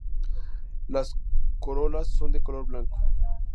Las corolas son de color blanco.